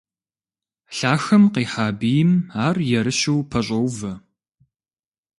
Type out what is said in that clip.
Лъахэм къихьа бийм ар ерыщу пэщӀоувэ.